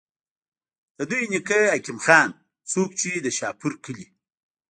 د دوي نيکۀ حکيم خان، څوک چې د شاهپور کلي